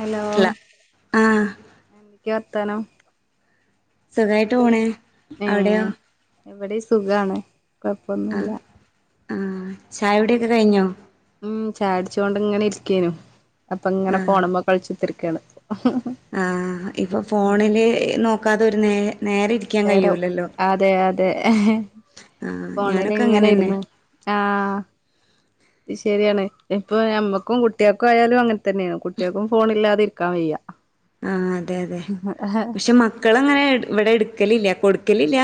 Hello അല്ല ആഹ് എന്തൊക്കെ വർ ത്താനം സുഖായിട്ട് പോണെ അവടെയോ ഇവിടെ സുഖാണ് കൊഴപ്പമൊന്നൂല്ല ആ ഛായൊടിയൊക്കെ കയിഞ്ഞോ ഉം ഛായൊടിച്ചോണ്ട് ങ്ങനെ ഇരിക്കേനു അപ്പൊങ്ങനെ ഫോണുമ്മെ കൾച്ചിത്തിരി ക്കാണ് ആ ഇപ്പൊ ഫോണില് നോക്കാതൊരു നേ നേരെ ഇരിക്കാൻ നേരോ കഴിയൂലല്ലോ അതെ അതെ ആഹ് ഫോണിൽ ഞാനൊക്കെ ഇങ്ങനെ അങ്ങനെന്നെ ഇരുന്ന് ആ ത് ശരിയാണ് ഇപ്പൊ ഞമ്മക്കും കുട്ടേക്കായാലും അങ്ങൻ തന്നേണ് കുട്ടേക്കും ഫോണില്ലാതിരി ക്കാം വയ്യ ആ അതെ അതെ പക്ഷെ മക്കള് അങ്ങനെ ഇവിടെ എടുക്കലില്ല കൊട് കലില്ല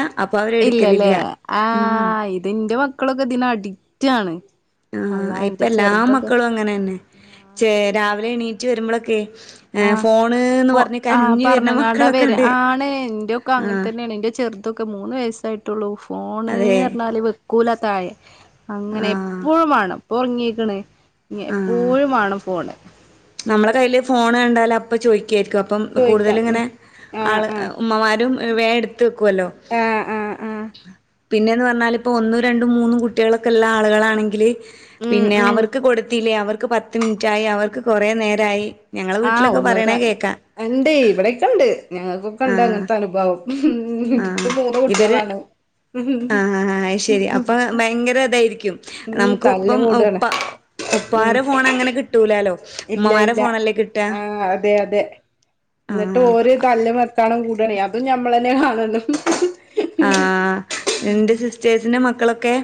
ഇല്ല ല്ലേ ആ ഇതിന്റെ ക്കളൊക്കെ ഇതിന് അഡിറ്റാണ് ആ ഇപ്പ എല്ലാ മക്കളും അങ്ങനെന്നെ ചേരാ രാവിലെ എണീ ചെരുമ്പളൊക്കെ ആ ആ വരുന്ന പറഞ്ങ്ങാണ്ടാ വെരാ മക്കളൊക്കെണ്ട് ആണ് ഇന്റെക്കെ അങ്ങൻ ആഹ് തന്നെണ് ഇന്റെ ചെറ് തൊക്കെ മൂന്ന് വയസ്സായിട്ടോള്ളു ഫോൺ അതെ എഞ്ഞാൽ വ കോലതായി [unintelligible] അങ്ങനെ ആഹ് എപ്പോഴും വേണം ഉറങ്ങിയേക്കണേ ഇ ആഹ് എപ്പോഴും വേണം ഫോണ് നമ്മളെ കയ്യിൽ ഫോൺ കണ്ടാലും അപ്പ ചോയ്ക്കും ആയിരിക്കും അപ്പം ചോയിക്കാം ഉം കൂടുതലിങ്ങനെ ആഹ് ആൾ ആഹ് ഉമ്മമാരും വേഡ് ക്കുവല്ലോ ആഹ് ആഹ് ആഹ് പിന്നെയന്ന് പറഞ്ഞാൽ ഇപ്പോൾ ഒന്നും രണ്ടും മൂന്നും കുട്ടികളൊക്കെ ഉള്ള ആളുകളാണെങ്കില് ഉം പിന്നെ ഉം അവർക്ക് കൊടുത്തില്ലേ അവർക്ക് പത്ത് മിനിറ്റ ആായി അവർക്ക് കുറേ നേരമായി ആഹ ഒന്ന എണ്ട് ഇവിടെൊക്കെ ഉണ്ട് ഞങ്ങൾക്കൊക്കെ ഉണ്ട് ആഹ് അങ്ങനത്തെ അനുഭവം എനിക്ക് മൂന്ന് കുട്ടികളാണ് ആഹ ആ ആ ശെരി അപ്പൊ ഭയങ്കര ഇതായിരിക്കും ഉം നമുക്ക് തല്ല് ഇപ്പം കൂടാണ് ഉപ്പാര ഉം ഫോൺ അങ്ങനെ കിട്ടൂല ഇല്ല ഇല്ല ആഹ അതെ അതെ എന്നിട്ട് ആഹ് ഓര് തല്ല കണം കൂടണ അതും ഞമ്മള തന്നെ കാണുന്നു ആ എന്റെ സിസ്റ്റേഴ്സിന്റെ മക്കളൊക്കെ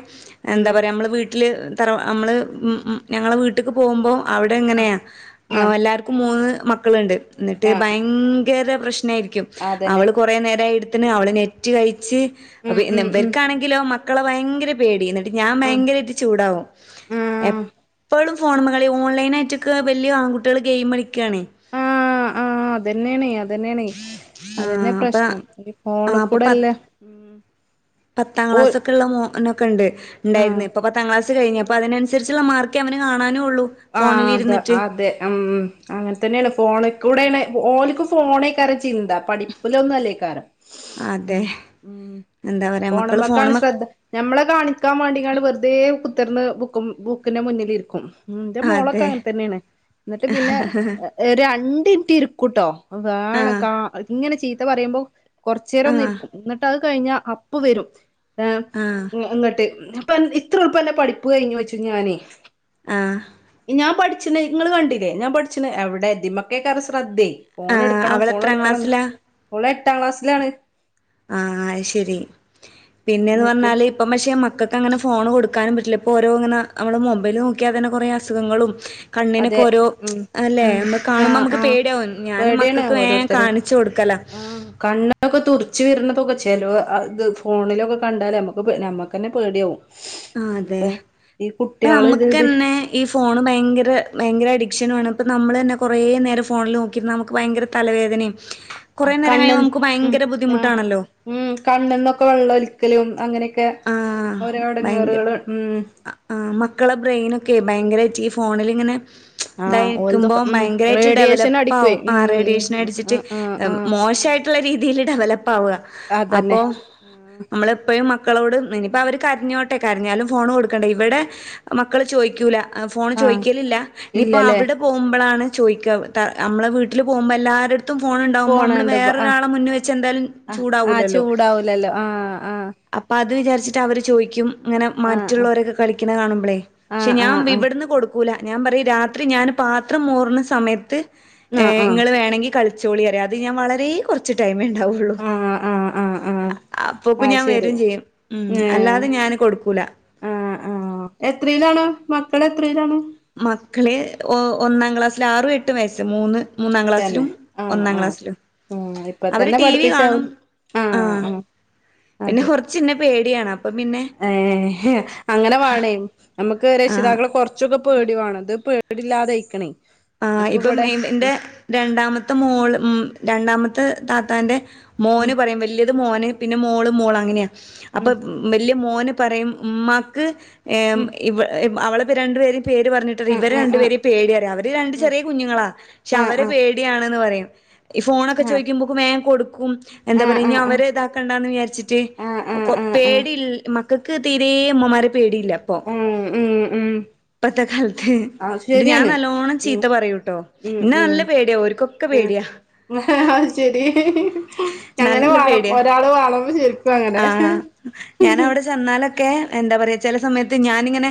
ഉം എന്താ പറയാ നമ്മള് വീട്ടില് തറ നമ്മള് ഉം ഞങ്ങളെ വീട്ടേക്ക് പോകുമ്പോൾ അവിടെ എങ്ങനെയാ ആ ആ എല്ലാവർക്കും മൂന്ന് മക്കളുണ്ട് എന്നിട്ട് ആ ഭയങ്കര കേഖര പ്രശ്ന [unintelligible] രിക്ക [unintelligible] അതന്നെ അവള് കുറ നേര അവിടെ നെറ്റ് കഴ ഉം ഉം ഉം അവർക്കാണെങ്കിലോ മക്കളെ ഭയങ്കര പേടി ഞാൻ ആ ഭയങ്കരമായിട്ട് ചൂടാവും എപ്പോഴും ഫോൺ മകള ഓൺലൈനായിട്ടൊക്കെ വിയ ആൺകട്ടികൾ ഗെയിം കടിക്ക ആഹ് ആഹ് അതുതന്നെയാണ് അത്. അതുതന്നെയാണ്. അതുതന്നെ ആഹ് അപ്പ പ്രശ്നം ഈ ആഹ് അപ്പൊ പത്ത് ഫോണിക്കൂടെല്ലേ ഉം. പത്താം ഓ ക്ലാസ് ഒക്കെയുള്ള മോൻ. എന്നൊക്ക ഉണ്ട്. ഉണ്ടായിരുന്നു ആ ഇപ്പൊ പത്താം ക്ലാസ്സ്‌ കഴിഞ്ഞപ്പോ അതിനനുസ അനുസരിച്ചുള്ള മാർക്ക് അവനെ കാണാനും. ഉള്ളൂ ആഹ് അതെ ഫോണിലിരുന്നിട്ട്. അതെ ഉം ഉം അങ്ങനെ തന്നെയാണ് ഫോണിൽ കൂടെ. ഓലിക്ക് ഫോൺ കളി ചിന്ത പഠിപ്പിലൊന്നും അല്ലേ ഈകാലം അതെ. എന്താ പറയാ മക്കള് ഫോണുമേക്കാണ് ഫോണുമ്മ ശ്രദ്ധ, ഞമ്മളെ കാണിക്കാൻ വേണ്ടിയങ്ങാണ്ട് വെറുതെ കു കുത്തിയിരുന്ന് ബുക്കും ബുക്കിന്റെ മുന്നിലിരിക്കും. ഉം എന്റെ മോളൊക്കെ അതെ. അങ്ങനെ തന്നെയാണ് എന്നിട്ട് പിന്നെ ഒരു അഞ്ച കുത്തിയിരിക്കൂട്ടോ. വേള ആഹ് കാ ഇങ്ങനെ ചെയ് ഇത്ത പറയുമ്പോ കുറച്ചുനേരം ഒന്ന് ആഹ് ഇരിക്കും എന്നിട്ട്. കഴിഞ്ഞ അപ്പോവരും. [unintelligible] ആഹ് അങ്ങോട്ട്. അപ്പ ഇത്ര എളുപ്പും അന്റെ പഠിപ്പ് കഴിഞ്ഞയെന്ന് ചോദിച്ചു ഞാനേ. ആഹ് ഞാൻ പഠി ച്ചു നിങ്ങള് കണ്ടില്ലേ ഞാൻ പഠിച്ച എവിടെതിമ്മക്കെറ ശ്രദ്ധേ ഫോൺ ആഹ് എടുക്കണം ഫോൺ അവളെത്രാം എടുക്കണം ക്ലാസ്സിലാ? ഓളെ. എട്ടാം ക്ലാസ്സിലാണ്. ആഹ് ശരി പിന്നെയെന്ന് എന്നിട്ട് പറഞ്ഞാല് ഇപ്പ പക്ഷെ മക്കൾക്ക് അങ്ങനെ ഫോണ് കൊടുക്കാനും പറ്റില്ല. ഓരോ ഇങ്ങനെ നമ്മള് മൊബൈല് നോക്കിയൽ തന്നെ കൊറേ അസുഖങ്ങളും. കണ്ണിനൊക്കെ അതെ ഓരോ ഉം അല്ലേ ഉം നമ്മള് കാണുമ്പോ ആഹ് നമുക്ക് ആഹ് പേടിയാവും ഞാനും പേടിയാണ് മക്കൾക്ക് വേ ഓരോരുത്തര് കാണിച്ചു കൊടുക്കല. പുകച്ചലോ അത് ഫോണിലൊക്കെ കണ്ടാൽ നമുക്ക് നമുക്ക് തന്നെ പേടിയാവും. ആഹ് അതെ ഇനിപ്പോ ഈ ഇപ്പെ കുട്ട്യാള് ഇത് നമുക്ക് ഇത് തന്നെ ഈ ഫോണ് ഭയങ്കര. ഭയങ്കര അഡിക്ഷനുമാണ് ഇപ്പെ നമ്മള് തന്നെ കുറേ നേരം ഫോണിൽ നോക്കിയിരുന്ന നമുക്ക് ഭയങ്കര തലവേദനയും. കൊറേ നേരം കണ്ണും കഴിയുമ്പോ നമുക്ക് ഉം ഭയങ്കര ആ ബുദ്ധിമുട്ടാണല്ലോ ഉം കണ്ണിനൊക്കെ വെള്ളം ഒലിക്കലും. അങ്ങനെ ആഹ് ഭയങ്കര ഉം ആഹ് മക്കളെ ബ്രെയിൻ ഒക്കെ. ഭയങ്കരയായിട്ട് ഫോണിലിങ്ങനെ. ആഹ് ഇതായിരിക്കുമ്പോ ഓൽതൊക്കെ ഉം ഭയങ്കരമായിട്ട് റേഡിയേഷൻ ഡെവലപ്പ് അടിക്കുവേ ആവും ആ ഉം റേഡിയേഷൻ അടിച്ചിട്ട് ആഹ് ആഹ് ആഹ് മോശമായി [unintelligible] രീതിയിൽ ഡെവല [unintelligible] അതന്നെ അപ്പോ ആഹ് നമ്മള് എപ്പോഴും മക്ക് മക്കളോട് ഇനിയിപ്പം അവർ കരഞ്ഞോട്ടെ കരഞ്ഞാലും ഫോൺ കൊടുക്കണ്ട ഇവിടെ മക്കൾ ചോദിക്കൂല ഫോൺ ആഹ് ചോദിക്കലില്ല ഇനിയിപ്പോൾ ഇല്ലല്ലേ അവിടെ പോകുമ്പോഴാണ് ചോയിക്ക നമ്മളെ വീട്ടിൽ പോകുമ്പോ എല്ലാര [unintelligible] ഫോണ് ഉണ്ടാവുമ്പോ നമ്മള് പോണണ്ട് ആഹ് വേറൊരാളെ മുന്നെ വെച്ച് എന്തായാലും ആഹ് ആഹ് ചൂടാവൂലല്ലോ. ചൂടാവൂലല്ലോ ആഹ് ആഹ് അത് വിചാരിച്ചിട്ട് അവർ ചോദിക്കും അങ്ങനെ മറ്റുള്ളവരൊക്കെ കളിക്കുന്ന കാണുമ്പോളേ, പക്ഷെ ആഹ് ഞാൻ ആഹ് ആഹ് ഇവിടന്ന് കൊടുക്കൂല ഞാൻ പറയും രാത്രി ഞാൻ പാത്രം മോറുന്ന സമയത്ത് ആഹ് ഏഹ് ആഹ് ആഹ് നിങ്ങൾ വേണെങ്കിൽ കളി ചോളിയരും അത് ഞാൻ വളരെ കുറച്ച് ടൈമേ ആവുള്ള ആഹ് ആഹ് ആഹ് ആഹ് അ അപ്പൊക്കെ അത് ഞാൻ വരെ ശരി ഏഹ് കൊടുക്കൂല ആ ആ എത്രയിലാണ് മ [unintelligible] എത്രയിലാണ്? ഓ ഒന്നാം ക്ലാസ്സിൽ, ആറും എട്ട് വയസ്സ് മൂന്ന് മൂന്നാം തന്നെ ക്ലാസ്സിലും, ആഹ് ഒന്നാം ആഹ് ക്ലാസ്സിലും ആഹ് ഇപ്പ അവര് തന്നെ ടി വി കാണും, പഠിപ്പിച്ചാവും ആ ആഹ് ആഹ് പിന്നെ അതെ കുറച്ച്മുന്നെ പേടിയാണ് അപ്പൊ പിന്നെ ഏഹ് അങ്ങനെ വാനേം നമുക്ക് ആഹ് രക്ഷിതാക്കളെ കുറച്ചൊക്കെ പേടി വേണം ഇത് പേ പേടില്ലാതെ ആയിക്കണേ ആ, ഇപ്പം എന്റെ രണ്ടാമത്തെ മോള് മോ രണ്ടാമ [unintelligible] താത്താന്റെ ഉം മോന് പറയറും വലിയത് മോന് പിന്നെ മോള്, മോള് അങ്ങനെയാണ് അപ്പൊ ഉം വലിയ മോന് പറയും ഉമ്മാക്ക് ഏഹ് ഉം ഇവ അവളെ രണ്ടു പേരും പേര് പറഞ്ഞിട്ട് ഇവരെ രണ്ടു പേരെയും പേടിയാ അവർ രണ്ട് ഉം ചെറിയ കുഞ്ഞുങ്ങളാ പക്ഷെ ആഹ് അവരെ ആഹ് ആഹ് പേടിയാണ് എന്ന് പറയും ഫോണൊക്കെ ഉം ചോയ്ക്കുമ്പോ വേഗം കൊടു ക്കും, എന്താ ആഹ് പറയാ ഇനി ആഹ് ആഹ് ആഹ് അവരെ ഇതാക്കണ്ടാന്ന് വിചാരിച്ചിട്ട്, ആഹ് കൊ ആഹ് ആഹ് ആഹ് ആഹ് ആഹ് പേടിയിൽ മ ക്കക്ക് തീരേ അമ്മമാരെ പേടില്ലപ്പോ. ഉം ഉം ഉം ഇപ്പത്തെ കാലത്ത് അത് ഞാൻ ശരിയാണ് നല്ലോണം ഉം ചീത്ത പറയൂട്ടോ ഉം ഇന്നാ ഉം നല്ല പേടിയാ ഓർക്കോക്കൊ ഉം പേടിയാ. അത് ശരി അങ്ങനെ നല്ല വാണം പേടിയാ ഒരാള് വാണം അത് ശരി ആഹ് ഞാൻ അവിടെ ചെന്നാലൊക്കെ എന്താ പറയാ ചില സമയത്ത് ഞാനിങ്ങനെ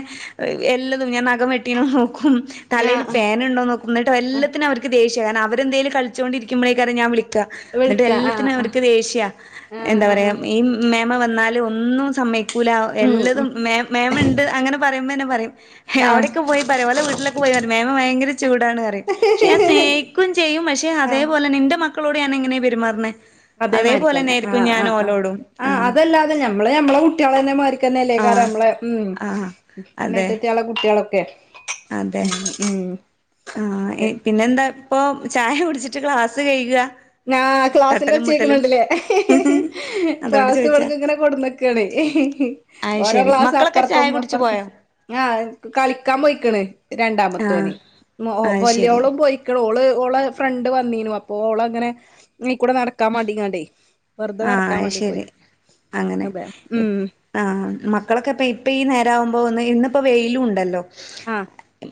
എല്ലതും ഞാന് നഖം വെട്ടീന നോക്കും, തലയിൽ ആഹ് ആഹ് പേനുണ്ടോന്നോക്കും എന്നിട്ട് ആഹ് എല്ലാത്തിനും അവർക്ക് ദേഷ് [unintelligible] അവരെന്തലും കളിച്ചോണ്ടിരിക്കുമ്പോയ്ക്കാര ഞാൻ വിളി ക്ക എന്നിട്ട് വിളിക്കാം ആഹ് എല്ലാത്തിനും ആഹ് അവർക്ക് ദേഷ്യ എന്താ ആഹ് പറയാ ആഹ് ഈ മേമ വന്നാൽ ഒന്നും സമ്മെയ് ക്ക ഊ ലാ ഉം എല്ലതും ഉം മേ മേമ ഉണ്ട് അങ്ങനെ പറയുമ്പോന്നെ പറിം. ആഹ് അവിടെക്കെ പോയി [unintelligible] വീട്ടിലക്കെ പോയി മേമ ഭയങ്കര ചുടാണ് പറയും പക്ഷെ ഞാൻ സ്നേഹിക്കും ചെയ്യും പക്ഷെ ആഹ് അതേപോലെ നിന്റെ മ മക്കളോട് ഞാൻ എങ്ങനെയാ പെരുമാറണെ അതേ പോലെന്നെ അതേമാരിക്കന്നെ ആരിക്കും ആഹ് ഞാൻ ആഹ് ആഹ് ഓലോടും. ആഹ് അതല്ലാതെ ഞമ്മള് ഞമ്മളെ കുട്ടികളെന്നെ മാരിക്കന്നല്ലെ കാരം ആഹ് നമ്മളെ ആഹ് മ അതെ ഏട്ടത്തിയാളെ കുട്ടികളൊക്കെ അതെ ആഹ് അതെ പിന്നെന്താ? അപ്പോ ചായ കുടിച്ചിട്ട് ക്ലാസ്സ് കഴുക. ആഹ് ക്ലാസിന്റെ ഒച്ചേക്കണണ്ടല്ലേ അതോണ്ട് ക്ലാസ്സ് ചോയിച്ചാ ഇടക്ക് ഇങ്ങനെ കൊടുന്നക്കാണ് അയ് ഓരോ ശരി ക്ലാസും മക്കളൊക്കെ ചായ അപ്പുറത്തും കുടിച്ചു ഇപ്പുറത്തും പോയോ? ആഹ് കളിക്കാൻ പോയിക്കണ്. ആഹ് രണ്ടാമത്തോന് അയ് ശരി വലിയോളും പോയിക്കണ് ഓള് ഓള് ഫ്രണ്ട് വന്നീനു അപ്പോ ഓള അങ്ങനെ [inaudible] നീ കൂടെ നടക്കാൻ മാണ്ടിക്കാണ്ടേ ആ അയ് ശരി അങ്ങനെ അതെ ഉം ആ മക്കളൊക്കെ അപ്പ ഇപ്പി നേരകുമ്പോ പോന്ന് ഇന്നിപ്പോ വെയിലും ഉണ്ടല്ലോ ആ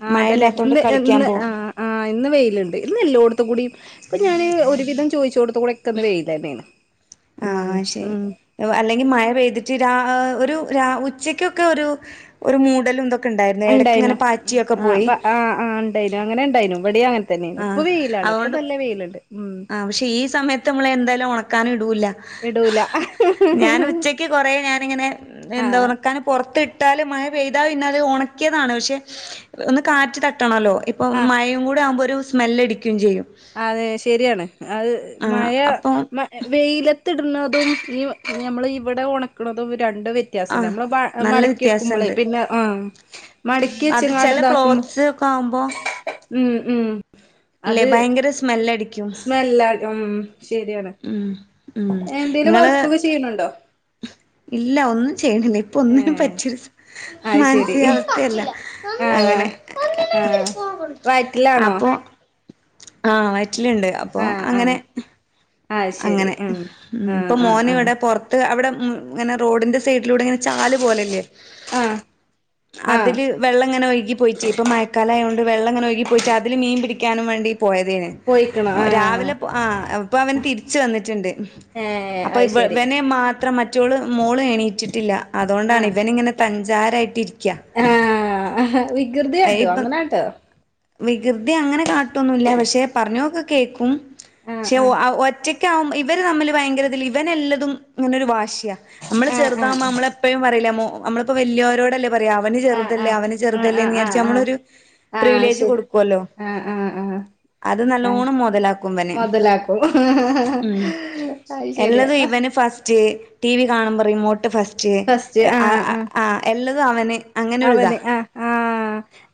ആ മഴ അതല്ലെ ഇല്ലാത്തോണ്ട് ഇന്ന് കളിക്കാൻ ഇന്ന് ആ പോവും ആ ഇന്ന് വെയിലുണ്ട് ഇന്നല്ലെ കൊ ത്തു കൂടി ഇപ്പൊ ഞാന് ഒരുവിധം ചോദിചോടത്തൂടെ ക്കന്ന് വെയ്ലന്നെ ഉ [unintelligible] ആ ശരി അല്ലങ്കി മഴ പെയ്തിട്ട് രാ അ ഒരു രാ ഉച്ചക്കൊക്കെ ഒരു ഒരു മൂടലും ഇതൊക്കെ ഉണ്ടായിരുന്നു ഇടക്ക് ണ്ടായിനു ഇങ്ങനെ ഉം പാറ്റിയൊക്കെ അ പോയി പ അ ആ ഇണ്ടായിനു അങ്ങനെ ഇണ്ടായിനു എവിടെയാ തന്നെ ഇപ്പൊ വെയിലാണ് ഇപ്പൊ നല്ല വെയിലുണ്ട്. ഉം ആ പക്ഷേ ഈ സമയത്ത് നമ്മള് എന്തായാലും ഉണക്കാൻ ഇടൂല്ല ഇടൂല ഞാൻ ഉച്ചയ്ക്ക് കുറെ ഞാനിങ്ങനെ ആ എന്താ ഉണക്കാന് പുറത്തി ട്ടാല് മഴപെയ്താ പിന്നെയത് ഉണക്കിയതാണ് പക്ഷേ ഒന്ന് കാറ്റ് തട്ടണോല്ലോ. ഇപ്പം ആ മഴയും കൂടി ആകുമ്പോൾ ഒരു ഒരു സ്മെല്ലടിക്കുവേം ചെയും അതെ ശരിയാണ് അത് ആഹ് മഴ അപ്പം മ വെയിലത്ത് ഇടുന്നതും ഈ ഞമ്മള് ഇവിടെ ഉണക്കണതും വ്യ രണ്ട് വ്യത്യാസമുണ്ട് ആഹ് നമ്മൾ മ നല്ല മടക്കി വെക്കുമ്പോഴേ വ്യത്യാസണ്ട് പിന്നെ ആ മടക്കി അത് വെച്ചങ്ങാണ്ട് ചില ഇതാക്കുമ്പോ ക്ലോത്ത്സ് ഒക്കെ ആകുമ്പോ ഉം ഉം ഇല്ലേ ഭയങ്കര സ് സ്മെല്ല് ആകും മം ശരിയാണ് ഉം ഉം എന്തേലും ഇങ്ങള് വർക്കൊക്കെ ചെയ്യണുണ്ടോ? [inaudible] ഇല്ല ഒന്നും ചെയ്യുന്നില്ല ഇപ്പോൾ ഏ ഒന്നിനും പറ്റില്ല. അത് ശരി മാനസികാവസ്ഥ അല്ല അങ്ങനെ ആഹ് ആഹ് വയറ്റിലാണോ അപ്പോ ആ വ റ്റിലുണ്ട് അപ്പോ ആഹ് അങ്ങനെ ആഹ് ആഹ് ശരി അങ്ങനെ ഉം ആഹ് ഇപ്പോ ആഹ് മോനെ ആഹ് ഇവിടെ പുറത്ത് ഇങ്ങനെ റോഡിന്റെ സൈഡിന്റെ അവിടെ ചാലി പോലെ ഇല്ലേ ആഹ് ആഹ് അതിലെ വെള്ള ഇങ്ങനെ ഒഴുകിപ്പോയിട്ടേ ഇപ്പം മഴക്കാലം ആയത് വെള്ളം എങ്ങനെ ഒഴുകിപ്പോയിട്ട് അതിലും മീൻ പിടിക്കാൻ വേണ്ടിയിട്ട് പോയതാണ് പോയിക്കണോ ആഹ് രാവിലെ പോ ആ ഇപ്പോ അവൻ തിരിച്ച വന്നിട്ടുണ്ട് ഏഹ് അത് ശരി അപ്പൊവനെ മാത്രംറ്റ മച്ചോള് മോള് എണീയിച്ചിട്ടില്ല അതുകൊണ്ടാണ് ഇവൻ ഇങ്ങനെ പഞ്ചാറായിട്ട്രിക്ക ആഹ വികൃതിയാട്ടോ അങ്ങനൊട്ടോ പ്രകൃതി അങ്ങനെ കാട്ടുംൊന്നുമല്ല പക്ഷെ പറഞ്ഞൊക്കെ കേൾക്കും ആഹ് പക്ഷെ ആഹ് ഒറ്റക്ക ആകുമ്പോ ഇവര് തമ്മിൽ ഭയങ്കരൽ ഇവനല്ലതും ഇങ്ങനൊരു വാശിയ നമ്മള് ആഹ് ആഹ് ചെറുതാകുമ്പോ നമ്മെ എപ്പോഴും പറയില്ല നമ്മളിപ്പോ വലിയരോട്ല്ല അവ ആഹ് ചെറുതല്ലേ അവ ആഹ് ആഹ് ചെറുല്ലേ ആഹ് ആഹ് വിചാരി നമ്മ ആഹ് ആഹ് പ്രജ് ശരി കൊടുക്കല്ലോ ആഹ് ആഹ് ആഹ് അത് ആഹ് നല്ലണം മതലാക്കുംനെ മൊതലാക്കും അത് ശരിയാ എല്ലതും ഇവന് ഫസ്റ്റ് ടി വി കാണുമ്പോ റിമോട്ട് ഫസ്റ്റ് ഫസ്റ്റ് എല്ല അത് അവനെ അവനെ ആഹ് ആഹ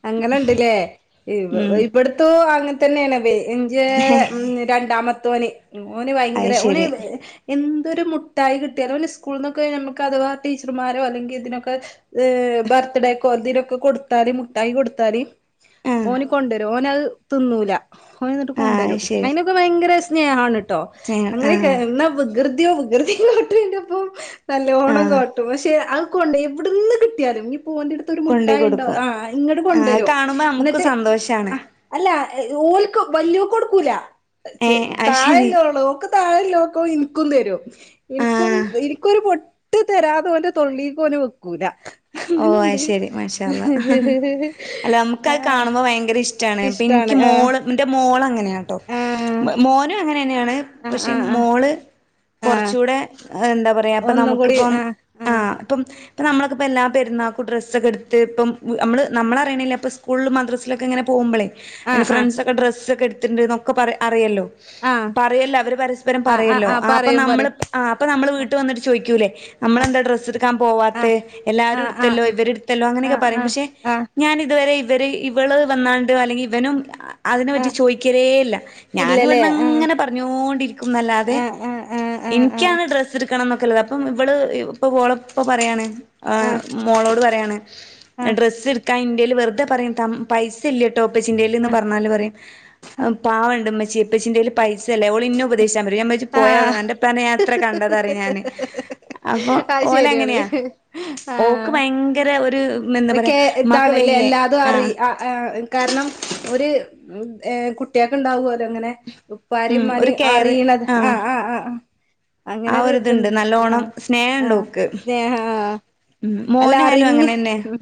അങ്ങനെ ഉണ്ടില്ലേ ഉം ഇവിടുത്ത അങ്ങന തന്നെയാണ്േ ഇഞ്ച് രണ്ടാമത്തെ ധ്വന ഉ ഓന് അത് ഭയങ്കര ഓന് ശരി എ ഇതൊരു മുട്ടായി കിട്ടി അപോലെ സ്കൂള നിന്നക്കെ നമുക്ക് അഥവാ ടീച്ചർമാരോ അല്ലെങ്ക ഇതിനൊക്കെ കടയൊക്കെ കുറുദൊക്കെ കൊടുാറി മുട്ടായി കൊടുത്താറി ആഹ് ഓന് കൊണ്ടുവരും ഓന തുന്നൂല ിട്ട് ആഹ് കൊണ്ടുവരും ശരി അതിനൊക്കെ ഭയങ്കര സ്നേഹമാണ്ട്ട ട്ടോ സ്നേഹം അങ്ങനെ ആഹ് എന്ന പ്രകൃതിോകൃതിട്ടപ്പം നല്ല ഓണം ആഹ് കാട്ടും പക്ഷെ ണ്ട് എവിടുന്ന് കിട്ടിയാലും പൂവന്ടുത്ത് ഒരു മുട്ട കൊണ്ടോയി ഉണ്ടോ കൊടുക്കും ആഹ് ഇങ്ങോട്ട ആഹ് അത് കൊണ്ടുവരുോ കാണുമ്പോ നമുക്ക് എന്നിട്ട് സന്തോഷാണ് അല്ല ഓല്ക്ക് വലിയക്ക കൊടുക്കൂല ഏഹ് അത് ശരി താഴല്ലോള്ളു ഓക്ക് താഴല്ലോ ൻക്കോ ഇൻക്കും തരും ഇൻക്കും ആഹ് ഇൻക്കൊര് പൊട്ട് തരാതൊന്റെ തൊള്ളിക്കൊന് വക്കൂല ഓ അഅ് ശെരി മാഷാ അല്ലാഹ് അല്ല നമുക്കഅ് ആഹ് കാണുമ്പോ ഭയങ്കര ഇഷ്ടണ് പ്പ ഇഷ്ടാണ് ഇൻക്ക് ആഹ് മോള് ഇന്റെ മോള അങ്ങന്യാട്ടോ ആഹ് മമോനൊ ങ്ങനെന്നാണ് പക്ഷെ ആഹ് ആഹ് ആഹ് മോള് ആഹ് കൊർച്ചൂടെ അഅ്എന്താ പറയാ ഇപ്പ ഒന്നും കൂടി നമുക്കിപ്പം ആഹ് ആ ആഹ് ഇപ്പം ഇപ്പ നമ്മളക്കപ്പെല്ലാം പെര്ന്നാക്കു ഡ്രസ്സൊക്കെ ട്ത്ത് ട്ടും പ്പം നമ്മള് നമ്മളറിണില്ല ഇപ്പസ്കൂളിലും മദ്രസിലൊക്കെങ്ങനെ പോവുമ്പളേ എന്റെ ആഹ് ഫ്രണ്ട്സൊക്കെ ഡ്രസ്സെക്കെട് ണ്ട് നൊക്കെ പറ അറിയല്ലോ ആഹ് ആഹ് പറയല്ലോ അവര് പരസ്പരം ആഹ് ആഹ് പറയല്ലോ ആഹ് അപ്പൊ പറയും നമ്മൾ പറയും അപ്പൊ നമ്മൾ വീട്ട് വന്നിട്ട് ചോയ്ക്കൂല്ലേ ആഹ് നമ്മളെന്താ ഡ്രസ്സെടുക്കാൻ പോവാത്തെ എല്ലാ ആഹ് ആഹ് ട്ത്തല്ലോ ആഹ് ഇവര് ട്ത്തല്ലോ ആഹ് അങ്ങനൊക്കെ പറയും ആഹ് ആഹ് പക്ഷെ ആഹ് ഞാൻ ഇതുവരെ ഇവര് ഇവള് വന്നാണ്ട് അല്ലെങ്കിവനും അതിനെ പറ്റി ആഹ് ചോയ്കലെല്ല ഞാന ഇല്ലല്ലേ ഇവടന്ന് ആഹ് ങ്ങനെ പറഞ്ഞോണ്ടിരിക്കും ന്നല്ലാതെ ആഹ് ആഹ് ആഹ് ഇൻക്ക്യാണ് ആഹ് ഡ്രസ്സ് ട്ക്കണം ന്നൊക്കെള്ള ത് പ്പം ഇവള് ഇപ്പ ഓളെപ്പ പറ്യാണ് ആഹ് മോളോട് പറയാണ് ആഹ് ഡ്രസ്സ് ട് ക്കാൻ ഇൻ്റെല് വെറുതെ പറയും തം പൈസ ഇല്ല ട്ടോപച്ചിന്റെ ല്ന്ന് ആഹ് പർഞ്ഞാല് പറയും പാവണ്ട് ഇമ ച്ചേ ഇപ്പച്ചിന്റെല് പൈസല്ല ഓള് ഇന്നെ ഉപദേശിച്ചാൻ വരും പോയാട് ആഹ് ന് അന്റെ പ്പാനോ ഞാനെത്ര കണ്ട താറിം ഞാന് അപ് അഅ് ശെരിയാണ് ആ ഓക്ക് ഭയങ്കര ഒരു എന്താ പറയാ ഒക്കെ ഉമ്മാക്ക് എന്താണ്ല്ലെ വയ്യേ എല്ലാതു അറി ആഹ് അ ആ കാരണം ഒര് ഏ കുട്ട്യേക്ക്ണ്ടാവോ അങ്ങനെ ഉപ്പാരിം ഉം ഇമ്മാനിം ഒരു കെയറ് അറിയ്ണ ആ ആഹ് ആ ആ അങ്ങനെ ആ ഒരു ഒര്ത്ണ്ട് ഇതുണ്ട് നല്ലോണം സ് ആ സ്നേഹാ ആ ആ ഉം അല്ല മോനായാലും അറിഞ്ഞ് അങ്ങനെന്നെ മ്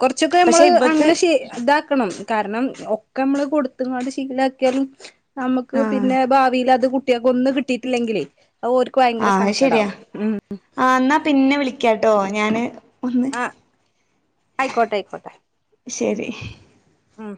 കൊർച്ചൊക്കെ പക്ഷെ ഞമ്മള് ഇവക്ക് അങ്ങനെ ഷീ ഇതാക്കണം കാരണം ക്കെ അമ്മള് കൊടുത്ത്ങ്ങാട് ശീലക്കിയാലും നമക്ക് ആഹ് പിന്നെ ഭാവില് അത് കു കുട്ടിയാക്ക് ഒന്നും കിട്ടിട്ടില്ലെങ്കിലെ അഹ് ഓർക്ക് ഭയങ്കര സങ്കടാകും മ് ആ എന്നാ പിന്നെ വിളിക്കാട്ടോ ഞാന് ഒന്ന് അയ്ക്കോട്ടെ അയ്ക്കോട്ടെ ശരി ഉം